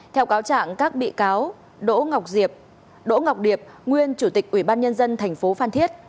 theo cáo trạng các bị cáo đỗ ngọc điệp nguyên chủ tịch ủy ban nhân dân tp phan thiết